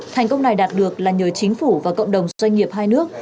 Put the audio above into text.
thành công này đạt được là nhờ chính phủ và cộng đồng doanh nghiệp hai nước